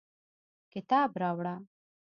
کتاب راوړه